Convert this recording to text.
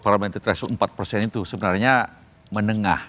paramenter terhasil empat persen itu sebenarnya menengah